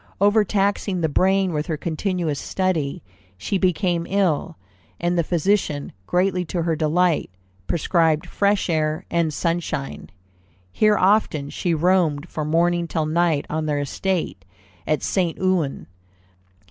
Overtaxing the brain with her continuous study, she became ill, and the physician, greatly to her delight, prescribed fresh air and sunshine. Here often she roamed from morning till night on their estate at St. Ouen.